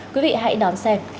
quý vị hãy đón xem